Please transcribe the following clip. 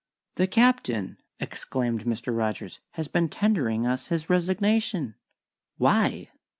_" "The Captain," exclaimed Mr. Rogers, "has been tendering us his resignation." "Why?"